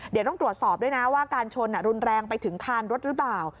เดี๋ยวต้องตรวจสอบด้วยนะว่าการชนรุนแรงไปถึงคานรถหรือเปล่า